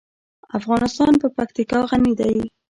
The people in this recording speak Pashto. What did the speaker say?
افغانستان په پکتیکا غني دی.